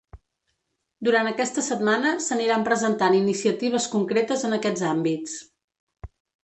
Durant aquesta setmana s’aniran presentant iniciatives concretes en aquests àmbits.